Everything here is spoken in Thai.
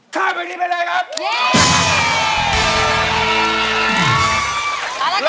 ข้ามเพลงนี้ไปเลยครับ